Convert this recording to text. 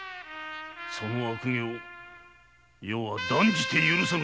その悪行余は断じて許さぬぞ。